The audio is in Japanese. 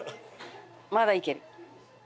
まだいける。